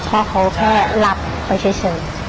เพราะว่าพ่อเขาแค่หลับไปเฉย